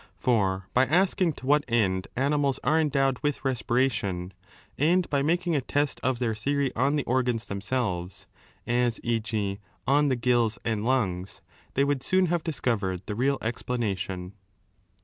For by asking to what end animals are endowed with respiration, and by making a test of their theory on the oigans themselves, as, t,g.^ on the gills and lungs, they would soon have discovered the real explanation.